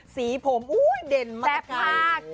สีผมเด่นมากใกล้